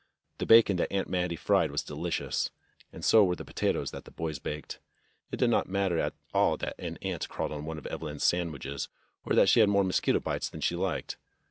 The bacon that Aunt Mattie fried was delicious, and so were the potatoes that the boys baked. It did not matter at all that an ant crawled on one of Evelyn's sand wiches, or that she had more mosquito bites than she liked.